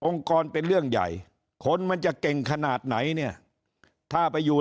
กรเป็นเรื่องใหญ่คนมันจะเก่งขนาดไหนเนี่ยถ้าไปอยู่